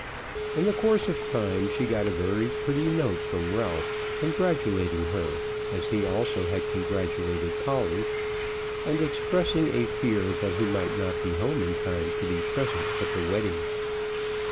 In the course of time she got a very pretty note from Ralph, congratulating her, as he also had congratulated Polly, and expressing a fear that he might not be home in time to be present at the wedding.